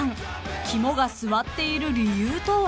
［肝が据わっている理由とは？］